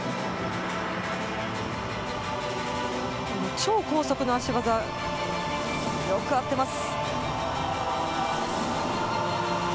超高速の脚技、よく合っています。